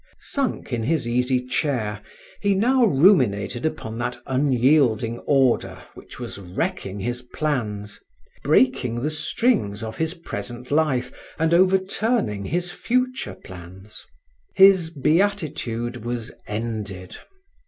Sunk in his easy chair, he now ruminated upon that unyielding order which was wrecking his plans, breaking the strings of his present life and overturning his future plans. His beatitude was ended.